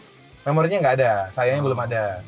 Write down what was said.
tuh memori nya gak ada sayangnya belum ada